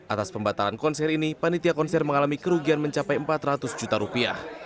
atas pembatalan konser ini panitia konser mengalami kerugian mencapai empat ratus juta rupiah